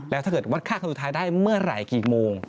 แล้วถ้าเกิดวัดค่าคนสุดท้ายได้เมื่อไหร่กี่โมง